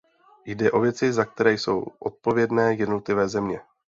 Jde o věci, za které jsou odpovědné jednotlivé země.